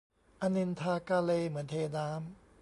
อันนินทากาเล เหมือนเทน้ำ